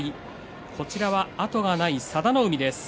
こちらは後がない佐田の海です。